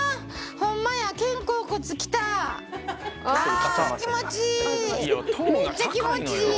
ホンマやめっちゃ気持ちいい！